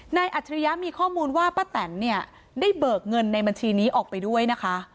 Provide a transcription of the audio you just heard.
อัจฉริยะมีข้อมูลว่าป้าแตนเนี่ยได้เบิกเงินในบัญชีนี้ออกไปด้วยนะคะ